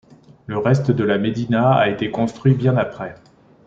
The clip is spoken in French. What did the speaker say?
Le reste de la médina a été construit bien après.